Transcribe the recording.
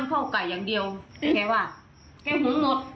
แกหงค์นด